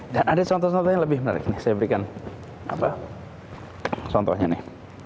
dan ada contoh contoh yang lebih menarik ini saya berikan contohnya nih